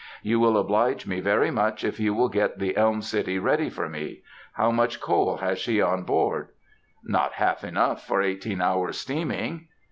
You will oblige me very much if you will get the Elm City ready for me. How much coal has she on board?" "Not half enough for eighteen hours' steaming!"